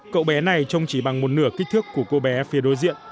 cậu bé này trông chỉ bằng một nửa kích thước của cô bé phía đối diện